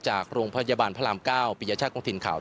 จากโรงพยาบาลพระราม๙ปียชาติของถิ่นข่าว